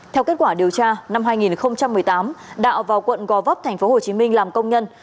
theo kết quả điều tra năm hai nghìn một mươi tám đạo vào quận gò vấp tp hcm làm công nhân